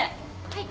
はい。